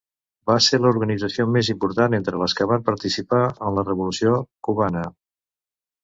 Va ser l'organització més important entre les que van participar en la Revolució cubana.